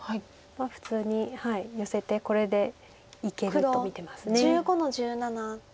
普通にヨセてこれでいけると見てます。